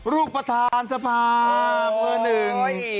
ลูกประธานสภาเมื่อหนึ่ง